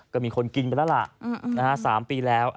ก็มีคนกินไปแล้วล่ะ๓ปีแล้ว